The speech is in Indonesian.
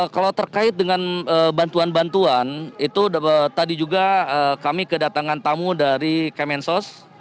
kalau terkait dengan bantuan bantuan itu tadi juga kami kedatangan tamu dari kemensos